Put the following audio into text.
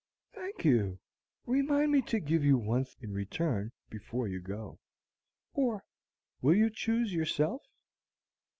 "Thank you. Remind me to give you one in return before you go, or will you choose yourself?"